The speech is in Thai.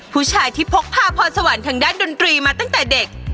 ผู้ชายที่พกพาพรสวรรค์ทางด้านดนตรีมาตั้งแต่เด็ก